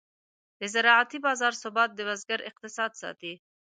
د زراعتي بازار ثبات د بزګر اقتصاد ساتي.